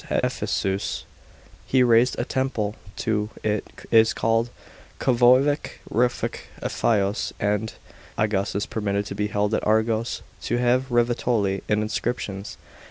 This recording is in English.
At Ephesus he raised a t« mple to * It is called KOIVOV rfc 'EAAafios, and , Augustus permitted to be held at Argos TO Uave\\rivtoi> in inscriptions.